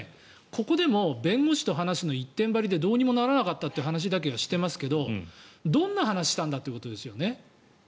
ここでも弁護士と話すの一点張りでどうにもならなかったと話していますがどんな話をしたんだということですよね。